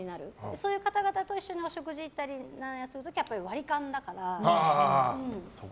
そういう方々と一緒にお食事行ったりする時はやっぱり割り勘だから。